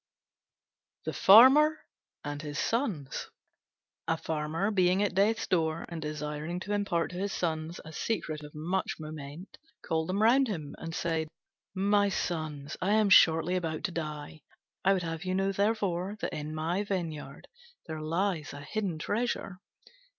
THE FARMER AND HIS SONS A Farmer, being at death's door, and desiring to impart to his Sons a secret of much moment, called them round him and said, "My sons, I am shortly about to die; I would have you know, therefore, that in my vineyard there lies a hidden treasure.